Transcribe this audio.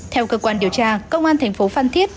theo cơ quan điều tra công an thành phố phan thiết